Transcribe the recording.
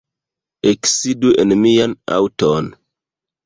Eksidu en mian aŭton.